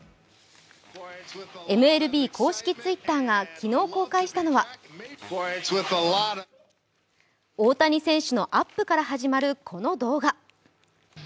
ＭＬＢ公式Ｔｗｉｔｔｅｒが昨日公開したのは大谷選手のアップから始まるこの動画。